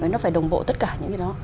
nó phải đồng bộ tất cả những cái đó